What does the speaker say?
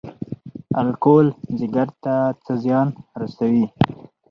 الکول ځیګر ته څه زیان رسوي؟